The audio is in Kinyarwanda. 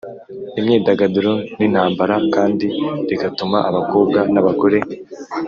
imyidagaduro n'intambara kandi rigatuma abakobwa n'abagore